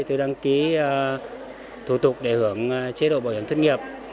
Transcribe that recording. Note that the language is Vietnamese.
tôi đăng ký thủ tục để hưởng chế độ bảo hiểm thất nghiệp